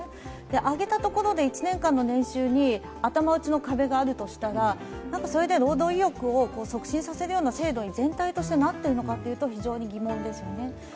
上げたところで１年間の年収に頭打ちの壁があるとしたらそれで労働意欲を促進させるような制度に全体としてなっているのかというと、非常に疑問ですよね。